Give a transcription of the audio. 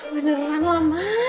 beneran lah ma